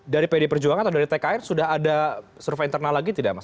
dari pd perjuangan atau dari tkr sudah ada survei internal lagi tidak mas